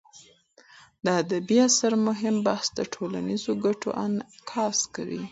د ادبي اثر مهم بحث د ټولنیزو ګټو انعکاس دی.